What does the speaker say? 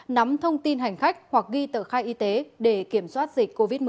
nắm thông tin hành khách hoặc ghi tờ khai y tế để kiểm soát dịch covid một mươi chín